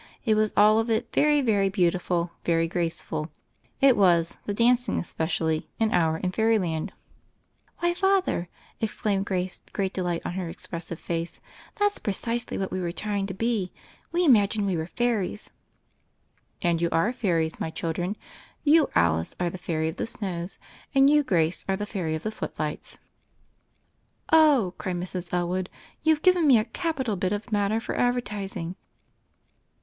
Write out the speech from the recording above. It was all of it very, very beautiful, very graceful. It was — ^the dancing especially — an hour in fairyland." "Why, Father," exclaimed Grace, great de light on her expressive face, "that's precisely wnat we were trying to be; we imagined we were fairies." "And you are Fairies, my children. You, Alice, are the Fairy of the Snows, and you, Grace, are the Fairy of the Footlights." "Oh!" cried Mrs. Elwood, "you've given me a capital bit of matter for advertising.